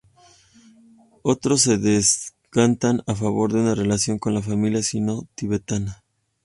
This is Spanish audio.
Otros se decantan a favor de una relación con la familia sino-tibetana.